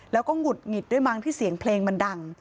แล้วก็หงุดหงิดด้วยมั้งที่เสียงเพลงมันดัง